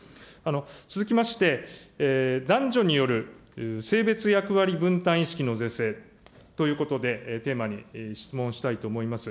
続きまして、男女による性別役割分担意識の是正ということで、テーマに質問をしたいと思います。